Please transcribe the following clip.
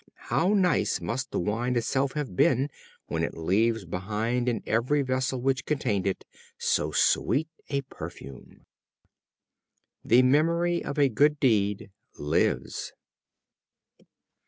How nice must the Wine itself have been when it leaves behind in the very vessel which contained it so sweet a perfume!" The memory of a good deed lives.